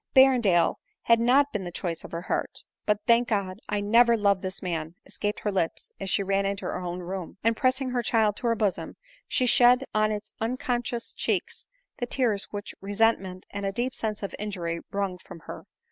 Berrendale bad not been the choice of her heart. " But, thank God ! I never loved this man," escaped her lips as she ran into her own room ; and pressing her child to ber bosom, she shed on its uncon scious cheeks the tears which resentment and a deep sense of injury wrung from her.